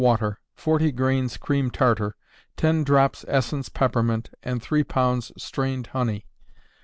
water, 40 grains cream tartar, 10 drops essence peppermint, and 3 lbs. strained honey.